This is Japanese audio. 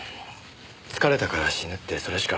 「疲れたから死ぬ」ってそれしか。